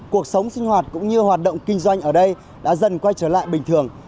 cuộc sống sinh hoạt cũng như hoạt động kinh doanh ở đây đã dần quay trở lại bình thường